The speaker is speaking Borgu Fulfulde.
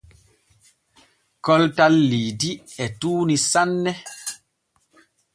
Koltal Liidi e tuuni sanne.